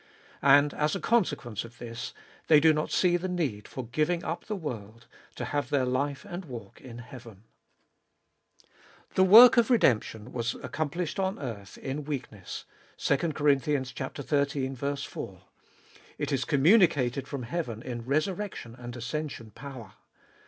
And, as a consequence of this, they do not see the need for giving up the world, to have their life and walk in heaven. The work of redemption was accomplished on earth in weakness (2 Cor. xiii. 4) ; it is communicated from heaven in resurrection and ascension power.